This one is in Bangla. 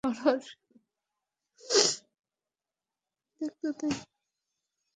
সরো, সরো!